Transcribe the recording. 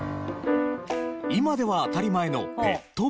今では当たり前のペットボトル。